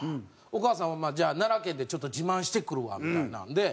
お母さんは「じゃあ奈良県でちょっと自慢してくるわ」みたいなんで。